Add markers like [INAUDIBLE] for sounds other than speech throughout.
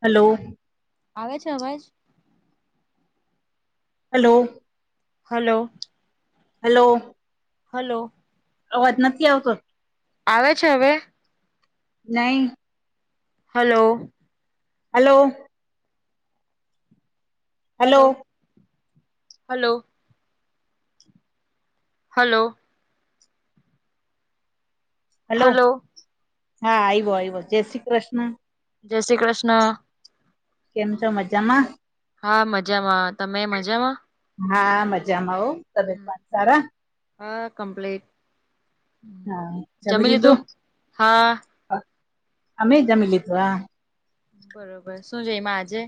Hello આવે છે અવાજ? હલો હલો હલો હલો અવાજ નથી આવતો? આવે છે હવે? નહીં. Hello hello hello, hello hello hello હા આઈવો આઈવો. જય શ્રી કૃષ્ણ. જય શ્રી કૃષ્ણ. કેમ છો મજામાં? હા મજામાં. તમે મજામાં? હા મજામાં હો. તબિયત પાણી સારા? હા કમ્પ્લેટ. હમ હા જમી લીધું? હા હા. અમેય જમી લીધું હા. બરોબર. શું જમ્યા આજે?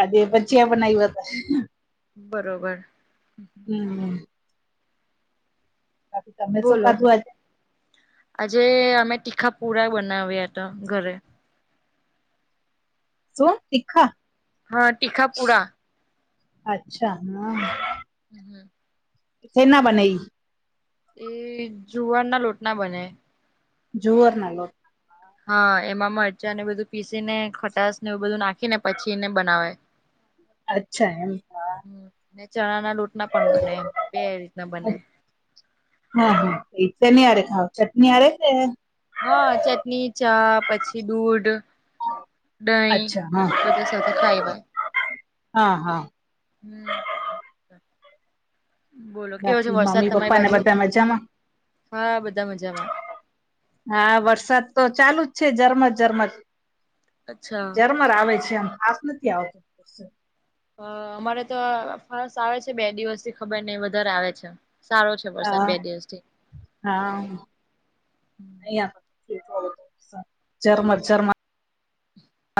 આજે ભજીયા બનાવિયા તા. બરોબર. હમ હમ હમ તમે શું બોલો. ખાધું આજે આજે અમે તીખા પુરા બનાવ્યા તા ઘરે. શું તીખા? હા ટીખાપુડા. અચ્છા હહ. હમ હમ શેના બને ઈ એ જુવાર ના લોટના બને જુવાર ના લોટ હા એમાં મરચાં ને એ બધું પીસી ને ખટાસ ને એવું બધું નાખી ને પછી એને બનાવાય. [INAUDIBLE] અચ્છા એમ હા ને ચણા ના લોટ ના પણ બને બે રીતના બને હા હા એ શેની હારે ખાવ ચટણી હારે કે હા ચટણી ચા પછી દૂધ દહીં અચ્છા હા બધા સાથે ખાવાય હા હા હમ બોલો કેવો છે બાકી વરસાદ મમ્મી તમારી પપ્પાને બાજુ બધા મજામાં હા બધા મજામાં હા વરસાદ તો ચાલુ જ છે ઝરમર ઝરમર અચ્છા ઝરમર આવે છે આમ ખાસ નથી આવતો અ અમારે તો ફાસ્ટ આવે છે બે દિવસ થી ખબર નહિ વધારે આવે છે. સારો છે વરસાદ હા બે દિવસ થી હા અહિયાં ઝરમર ઝરમર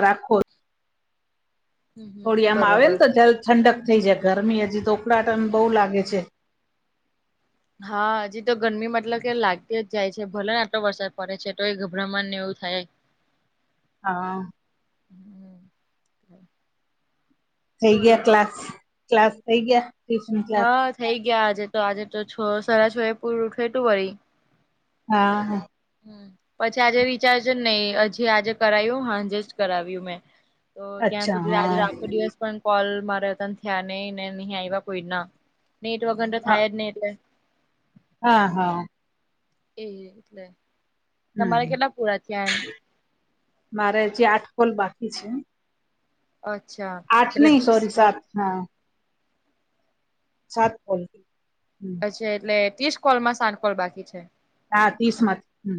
રાખો હમ હમ થોડી આમાં આવે બરોબર ને તો જ ઠંડક થઈ જાય ગરમી હજી તો ઉકળાટમ બહુ લાગે છે. હા હજી તો ગરમી મતલબ કે લાગતી જાય છે ભલે ને આટલો વરસાદ પડે છે તો એ ગભરામણ ને એવું થાય હા થઈ બોલો. ગ્યા ક્લાસ ક્લાસ થઈ ગ્યા. હા થઈ ગયા આજે તો આજે તો છ સરા છો એ પૂરુ થતું આવી હા હા હ પછી આજે રિચાર્જ નહી હજી આજે કરાવું હ એડજસ્ટ કરાવ્યું મેં તો ત્યાં અચ્છા સુધી આજે હા આખો દિવસ પણ કોલ મારાત થયા નહી ને નહીં આવ્યા કોઈ ના નેટ વગર તો હા થાય જ નઈ એટલે હા હા એ એટલે તમારે હમ કેટલા પૂરા થયા એમ? મારે હજી આઠકોલ બાકી છે. અચ્છા આઠ એટલે નહી ત્રીસ સોરી સાત હા સાત કોલ એટલે ત્રીસ કોલ માં સાત કોલ બાકી છે. હા ત્રીસ માંથી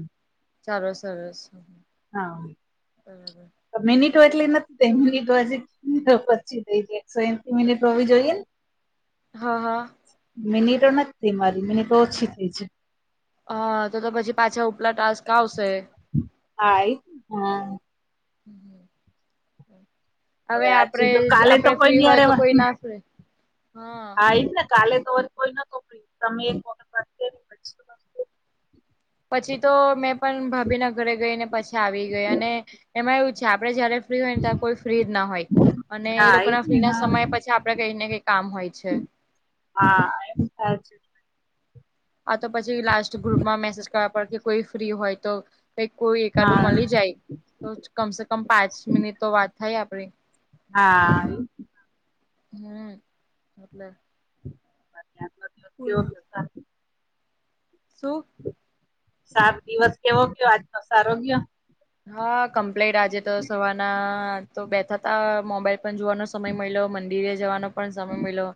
ચાલો સરોસ હા મિનિટો એટલી નથી તે મિનિટો હજી પચી થઈ [UNINTELLIGIBLE] મિનિટ હોવી જોઈએ ને હા હા મિનિટો નથી થઈ મારી મિનિટો ઓછી થઈ છે. હા તો તો પછી પાછા ઉપલા ટાસ્ક આવશે. આ એટ હમ હમ હ હવે આજે આપડે તો કાલે તો આપડે કોઈ ફ્રી ની હોય હારે તો વાત કોઈ [UNINTELLIGIBLE] હ હા એજ ને કાલે તો કોઈ નતો ફ્રી તમે એક વત કરી [INAUDIBLE] પછી તો મેં પણ ભાભીના ઘરે ગઈ ને પછી આવી ગઈ અને એમાં એવું છે આપડે જયારે ફ્રી હોય ને ત કોઈ ફ્રી જ ના હોય. અને એ હા લોકો એજ ના ને ફ્રી ના હા સમય પછી આપડે કઈ ને કઈ કામ હોય છે. હા એમ થાય છે. આ તો પછી લાસ્ટ ગ્રુપમાં મેસેજ કરવા પડે કે કોઈ ફ્રી હોય તો. ક કોઈ હા એકાડું હા એ જ વાત. મળી જાય તો કમસે કમ પાંચ મિનિટ તો વાત થાય આપડે હા. હમ એટલે. આજનો દિવસ કેવો બોલા. ગયો સારો શું? સાત દિવસ કેવો ગ્યો આજનો સારો ગ્યો. હા કમ્પ્લેટ આજે તો સવારના ના આજ બેઠા હતા મોબાઈલ પણ જોવાનું સમય મળ્યો મંદિરે જવાનો પણ સમય મળ્યો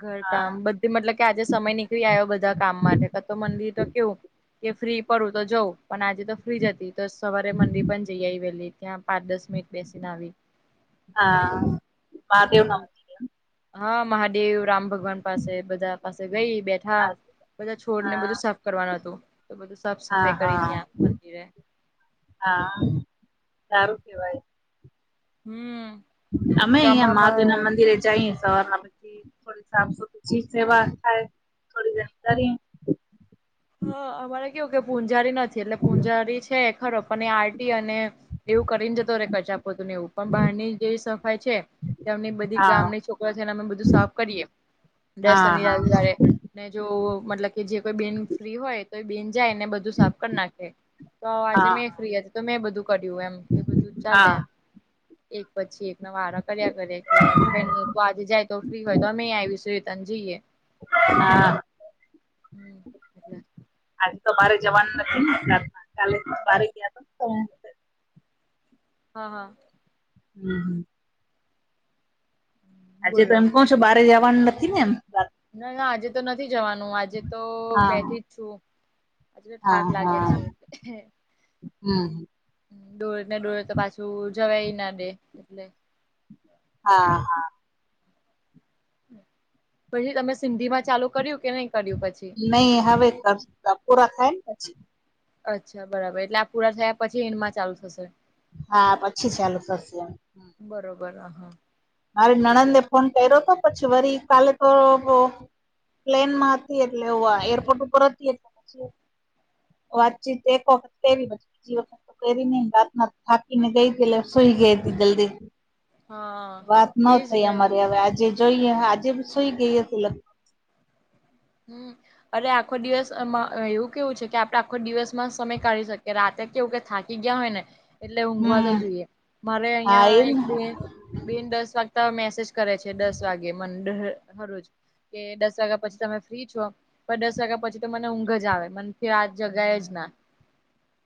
ઘર હા કામ બધ મતલબ કે આજે સમય નીકળી આવ્યો બધા કામ માટે કતો મંદિર તો કેવું કે ફ્રી પડું તો જઉ પણ આજે તો ફ્રી જ હતી તો. સવારે મંંદિર પણ જઈ આવેલી ત્યાં પાંચ દસ મિનિટ બેસીને આવી. હા ભાભી નો. બધું હા મહાદેવ રામ ભગવાન પાસે બધા પાસે ગઈ બેઠી. હા બધા છોડ ને હા બધું સાફ કરવાનું હતું તો બધું સાફ હા સફાઈ કરી હા ત્યાં મંદિરે હા સારું કેવાય. હમ. અમે ઇયા મહાદેવ ના ગામડામાં મંદિરે જઈએ સવારના થોડી સાફ [UNINTELLIGIBLE] થોડી જાણકારી હા અમારે કેવું કે પૂંજારી નથી એટલે પૂંજારી છે ખરો પણ એ આરટી અને એવું કરીને જતો રે કચરાપોતું ને એવું પણ બહાર ની જે સફાઈ છે. તેમની બધી હા ગામની છોકરો છેને અમે બધું સાફ કરીએ દર હા હા શનિવારે રવિવારે. ને જો મતલબ કે જે કોઈ બેન ફ્રી હોય તો બેન જાય ને બ બઘું સાફ કરી નાખે તો આજે હા મેં ફ્રી હતી તો મેં બધું કર્યું એમ. એ બધું હા ચાલે એક. પછી એક ના વારા કર્યા કરે કે કઇક મુકવા આજે જાય તો ફ્રી હોય તો અમે આવીશું રિટન જઈએ. હા. હમ એટલે. તમારે જવાનું નથી ને રાત કાલે બારે ગયા તા હું. હા હા. હમ હમ. આજે તો બોલો એમ કઉ છુ બારે જવાનું નથી ને એમ. ના ના આજે તો નથી જવાનું આજે તો બેઠી જ હા છું. આજે ઠાક લાગે હા છે. હમ ડોળે ને ડોળે તો પાછું જવાય ના દે એટલે. હા હા. પછી તમે સિંધીમાં ચાલુ કર્યું કે નઈ કર્યું પછી? નઈ હવે કરશું તો પૂરા થાય ને પછી. અચ્છા બરાબર, એટલે આ પૂરા થયા પછી એનમાં ચાલુ થશે. હા, પછી ચાલુ થશે એમ. બરોબર અહ. મારે નણંદે ને ફોન કર્યો તો પછી વરી કાલે તો પ્લેનમાં હતી એટલે એ આ એરપોર્ટ ઉપર હતી એટલે પછી વાતચીત એક વખત કેવી બીજી વખ કરીને રાતના થાકીને ગઈ હતી એટલે સુઈ ગઈ હતી જલ્દી. હા. વાત ન એજ થઈ ને અમારી હવે આજે જોઈએ આજે બી સુઈ ગઈ હતી લગ હમ્મ. અરે આખો દિવસ એમાં એવું કેવું છે કે આપડે આખો દિવસમાં સમય કાઢી શકીએ રાતે કેવું કે થા કી ગયા હોય ને એટલે ઊંઘવા તો હમ જોઈએ મારે હા એજ અયા એક ને બે બેન દસ વાગતા મેસેજ કરે છે દસ વાગે મને હરોજ. કે દસ વાગ્યા પછી તમે ફ્રી છો પણ દસ વાગ્યા પછી તો મને ઊંઘ જ આવે મને આ જગાએ જ ના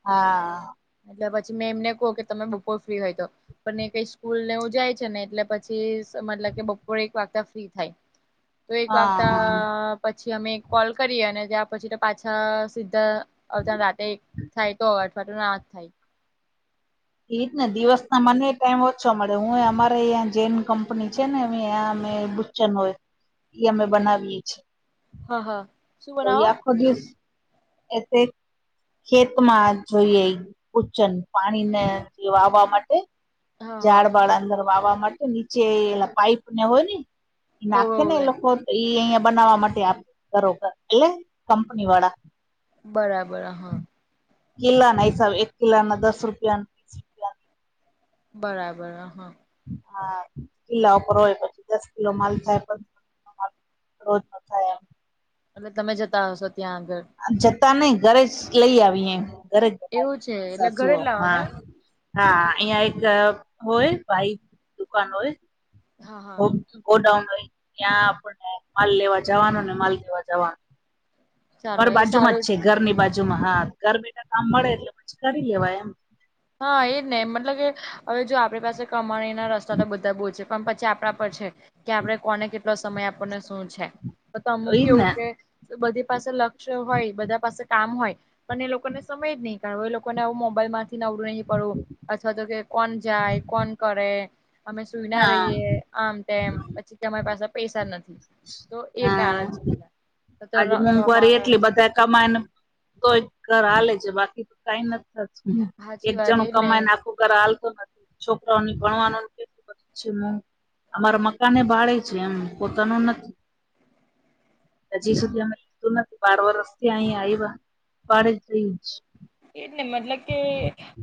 હા. એટલે પછી મેં એમને કોઉ કે તમે બપોર ફ્રી હોય તો. પણ એ કઈ સ્કૂલ નેવું જાય છે ને એટલે પછી મતલબ કે બપોરે એક વાગતા ફ્રી થાય તો એક હા વાગતા હા પછી અમે એક કોલ કરીએ અને ત્યાં પછી પાછા સીધા [UNINTELLIGIBLE] રાતે થાય તો અઠવાડિયું ના થાય. એ જ ને દિવસ ના મને ટાઈમ ઓછો મળે હું અમારે અયા જેન કંપની છે ને અમે [UNINTELLIGIBLE] હોય ઈ અમે બનાવીએ છીએ. હા હા. શું તો એ બનાવો? આખો દીવસ એ તે ખેતમાં જોઈએ ઉચન પાણીને એ વાવા માટે. હા હા ઝાડ બાળ અંદર વાવા માટે નીચે એલા પાઈપ ને હોય ને. એ ઓવે નાખે ને ઓવે. એ લોકો ઈ અહિયાં બનાવવા માટે [UNINTELLIGIBLE] એટલે કંપની વાડા. બરાબર, હા. કિલ્લાના હિસાબ એક કિલ્લાના દસ રૂપિયાન. બરાબર, હા. હા, કિલ્લા ઉપર હોય પછી દસ કિલો માલ થાય માલ રોજનો. અને તમે જતા હશો ત્યાં આગળ. જતા નઈ ઘરે જ લઈ આવીએ ઘરે જ એવું છે બતાવી એટલે ઘરે સાસુઓ જ લાવવાનું હા એમ. હા અહિયાં એક હોય ભાઈ દુકાન હોય હા હા. ગોડાઉન હોય ત્યાં આપને માલ લેવા જવાનો ને માલ દેવા જવાનો. ચાલો અમારી એ બાજુમાં જ સારું છે ઘરની બાજુ માં હા ઘર બેઠા કામ મળે એટલે પછી કરી લેવાય એમ. હા એજ ને મતલબ કે હવે જો આપણી પાસે કમાણી ના રસ્તા તો બધા બહુ છે. પણ પછી આપણા પર છે કે આપડે કોને કેટલો સમય આપણને શું છે. તો અમુક એજ કેવું ને કે બધી પાસે લક્ષ્ય હોય બધા પાસે કામ હોય. પણ એ લોકોને સમય જ નહીં કારણ એ લોકોને આવ મોબાઈલમાં નવડું નહી પડું અથવા તો કે કોણ જાય કોણ કરે અમે સુઈના હા રહીએ આમ તેમ પછી તમારી પાસે પૈસા નથી. તો એ કારણ છે બધા તો તો આજે મોંઘવારી કમાવાના એટલી બધા કમાય ને તોય ઘર હાલે છે બાકી તો કઈ નથી થતું. સાચી એક વાત જણું એજ કમાય ને આખું ઘર હાલતું નથી છોકરા આપનું ભણવાનું અચ્છા, અમારા મકાને ભાળે છે એમ પોતાનું નથી. હજી હમ હમ સુધી અમે લીધું નથી બાર વરસ થી અહી આવ્યા ભાડે જ રહીએ છીએ. એ જ ને મતલબ કે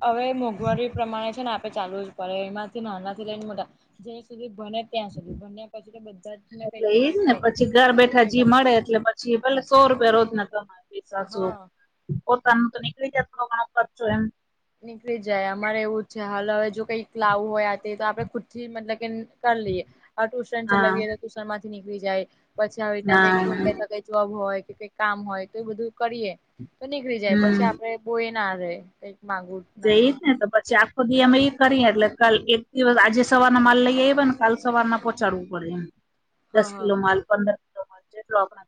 હવે મોંઘવારી પ્રમાણે છે ને આપે ચાલવુ જ પડે એમાંથી નાના થી લઈને બધા જ્યાં સુધી બને ત્યાં સુધી બન્યા પછી બધા ને કંઈક એટલે ને એજ કઈક હોય તો કઈ કમાય ચેવલ સો રૂપિયા રોજ ના કમાય પૈસા સો હા પોતાનું તો નીકળી જાતું હમણાં ખરચો એમ. નીકળી જાય અમારે એવું છે હાલ હવે જો કઈક લાવું હોય આ તે તો આપડે ખુદ થી મતલબ કે કરી લઈએ અ ટુશન હા ચલાવીએ તો ટુશન માંથી નીકળી જાય પછી આવી રીતના હા કઈક [UNINTELLIGIBLE] જોબ હોય કે કઈક કામ હોય તો એ બધું કરીએ તો નીકળી જાય હમ પછી આપડે બોયના રે એક માગુ તે ઈજ ને તો પછી આખ ખો દી અમે ઈ કરીએ એટલે કલ એક દિવસ આજે સવારના માલ લઈ આયવા ને કાલ સવારમાં પહોચાડવું પડે એમ. હા દસ હા કિલો માલ, પંદર કિલો માલ જેટલો આપડા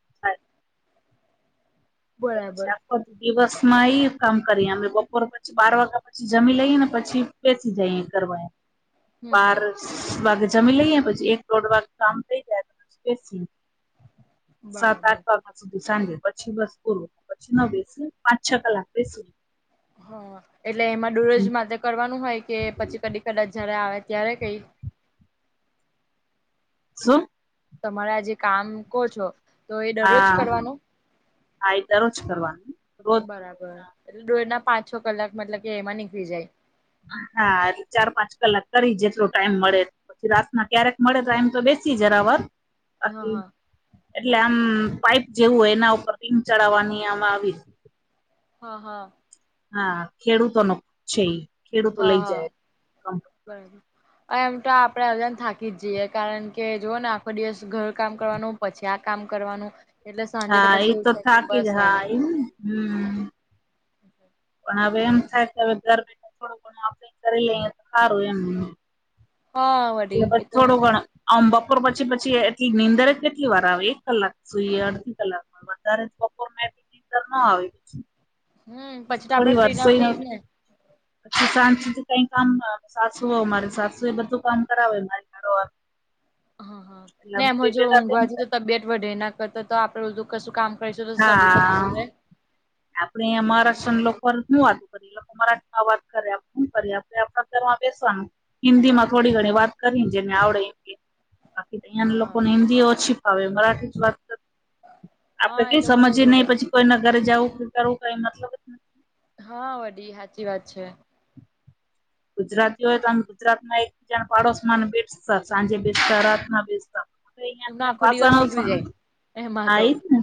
તો બરાબર. આખો પછી દિવસમાં ઈ કામ કરીએ. અમે બપોર પછ છી બાર વાગા પછી જમી લઈએ ને પછી બેસી જાઇએ કરવા એમ. હમ હમ બાર વાગે જમી લઈએ પછી એક દોઢ વાગે કામ થઈ જાય તો પછી બેસીએ. સાત બરાબર આઠ વાગા સુધી સાંજે પછી બસ. પૂરું. પછી ન બેસીએ પાંચ છ કલાક બેસીએ. હા એટલે એમાં દૂરજ માટે કરવાનું હોય કે પછી કદી કદાચ જયારે આવે ત્યારે કઈ? શું? તમારે આ જે કામ કો છો તો એ ડરોજ હા કરવાનું? હા એ દરરોજ કરવાનું રોજ બરાબ બર. એટલે દોડના પાંચ છ કલાક મતલબ કે એમાં નીકળી જાય. હા એટલે ચાર પાંચ કલાક કરી જેટલો ટાઈમ મળે. પછી રાતના ક્યારેક મળે તો એમ તો બેસીએ જરાબર બાકી હા એટલે આમ પાઈપ જેવું હોય એના ઉપર રિંગ ચડાવાની આમ આવી. હહ હા. હા ખેડૂતો નો છે ઈ. ખેડૂતો હા લઈ હા જાય બરાબર. એમ તો આપડે હલને થાકી જ જઈએ. કારણ કે જુઓ ને આખો દિવસ ઘર કામ કરવાનું. પછી આ કામ કરવાનું. એટલે સાંજે તો હા પછી એવું ઈતો થાય કે થાકી જ બસ હા. હવે ઈ ન હમ [INAUDIBLE] પણ હવે એમ વાત થાય કે હવે ઘર બેઠા થોડું ઘણું આપણે કરી લઈએ તો હારું એમ. હહ એટલે પછ થોડું ઘણું આમ બપોર પછી પછી એટલી નીંદરે કેટલી વાર આવે એક કલાક સુઈએ, અડધી કલાકમાં તો વધારે બપોરના એટલી નીંદર નો આવે પછી. હમ પછી તો આપડે ફ્રી ના ફ્રીજ ને. પછી સાંજ સુધી કઈ કામ ન હોય. આમ સાસુ વહુ મારી સાસુએ બધું કામ કરાવે મારી. હારોહાર. હહ હહ ને એમાં જો ભેગા ઊંઘવા થઈને જઈએ ત તબિયત વધે એના કરતા તો આપડે બધું કશું કામ કરીશું તો શરીર તો હારું રે. આપણેે ઈયા મહારાષ્ટ્રન લોકોને હું વાત કરી? ઈ લોકો મરાઠીમાં વાત કરે આપે હું કરી આપણે આપણા ઘરમાં બેસવાનું. હિન્દીમાં થોડી ઘણી વાત કરીને જેને આવડે એ કે બાકી ત અહિયાંના હા લોકોને હિન્દી એ ઓછી ફાવે મરાઠી જ વાત [INAUDIBLE] તે હા એ કઈ લોકો સમજે નહી જોતા પછી કોઈ ના ઘરે જાવું [INAUDIBLE] કરવું કાઈ મતલબ જ નહીં. હહ વડી ઈ હાચી વાત છે. ગુજરાતી હોય તો આમ ગુજરાતમાં એકજણ પાડોશમાં ને બેસ સાંજે બેસતા, રાતના બેસતા. આપણે ઇયા એમનો કને આખો દિવસ ભાષણો જ નીકળી જાય એમાં હા તો ઈજ ને.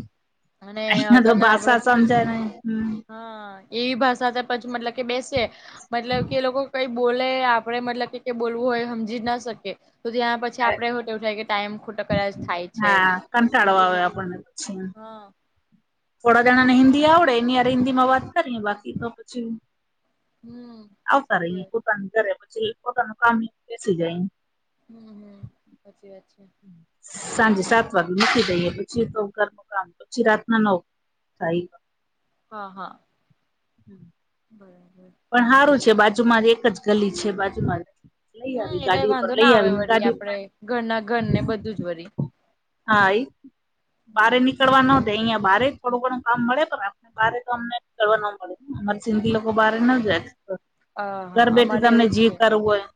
અને અહીંયા તો ભાષા સમજાય નહીં હમ. હહ એવી ભાષા તો પછી મતલબ કે બેસીએ મતલબ કે લોકો કઈ બોલે આપડે મતલબ કે કે બોલવું હોય હમજી જ ના શકીએ. તો ત્યાં પછ પછી આપડે એવું હોતે થાય કે ટાઈમ ખોટો કદાચ થાય છે. સમજી નહીં શક છા હહ થોડા જણાને હિન્દી આવડે એની હારે હિન્દીમાં વાત કરીએ. બાકી તો પછી હમ આવતા સાચી રહી વાત પોતાની ઘરે પછી પોતાનું કામ બેસી જાય. હમ હમ સાચી વાત છે. સાંજે સાત વાગે મૂકી દઈએ પછી તો ઘર ન કામ પછી રાતના નવ [UNINTELLIGIBLE] હા હા. બરાબર. પણ સારું છે, બાજુમાં જ એક જ ગલી છે, બાજુમાં જ. લઈ હમ આવી એટલે ગાડી ઉપર વાંધો લઈ ના આવે આવીને [UNINTELLIGIBLE] ગાડી આપડે ઘરના ઘર ને બધું જ [UNINTELLIGIBLE] હા એ હમ બારે હમ. નીકળવા ન દે અહિયાં બારે થોડું ઘણું કામ મળે [UNINTELLIGIBLE] બારે તો અમને કરવા ન પડે અમારે સિંદગી લોકો બાર ન જાય. હ ઘર હા બેઠી અમારે તમને એવું જ છે જી કરવું હોય.